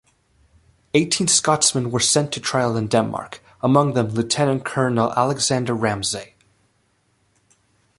Eighteen Scotsmen were sent to trial in Denmark, among them Lieutenant Colonel Alexander Ramsay.